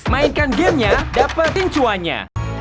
mainkan gamenya dapet pincuannya